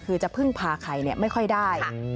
คือจะพึ่งพาใครไม่ค่อยได้